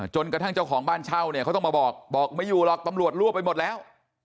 กระทั่งเจ้าของบ้านเช่าเนี่ยเขาต้องมาบอกบอกไม่อยู่หรอกตำรวจรั่วไปหมดแล้ว